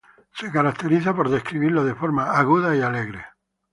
Se caracteriza por describirlo de forma aguda y alegre.